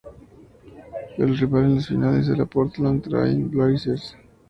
El rival en las Finales era Portland Trail Blazers.